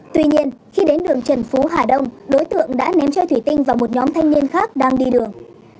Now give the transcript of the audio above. tuy nhiên khi đến đường trần phú hà đông đối tượng đã ném chơi thủy tinh vào một nhóm thanh niên khác đang đi đường